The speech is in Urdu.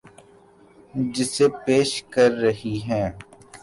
جسے پیش کر رہی ہیں